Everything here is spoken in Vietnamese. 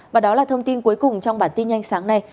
và đó là thông tin cuối cùng trong bản tin nhanh sáng nay